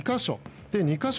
２か所。